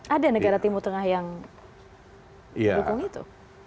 ada negara timur tengah yang mendukung itu